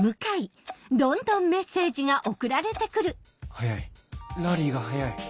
早いラリーが早い